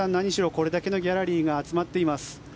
これだけのギャラリーが集まっています。